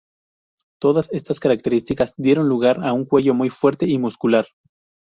Todas estas características dieron lugar a un cuello muy fuerte y muscular.